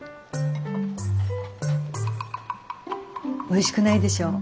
おいしくないでしょう？